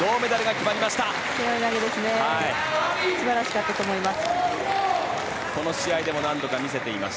素晴らしかったと思います。